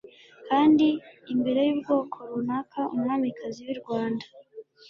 kandi imbere yubwoko runaka umwamikazi w'i rwanda